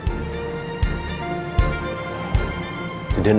saya akan menyesal